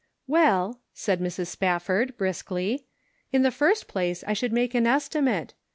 " Well," said Mrs. Spafford, briskly, " in the first place I should make an estimate.